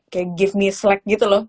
kayak give me slack gitu loh